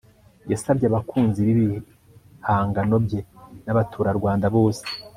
yasabye abakunzi b'ibihangano bye n'abaturarwanda bose